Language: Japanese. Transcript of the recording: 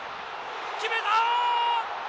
決めた！